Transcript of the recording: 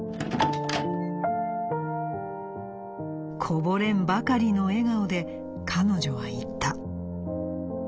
「こぼれんばかりの笑顔で彼女は言った。